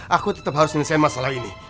aku tetap harus menyelesaikan masalah ini